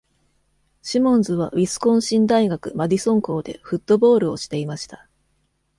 シモンズはウィスコンシン大学マディソン校でフットボールをしていました。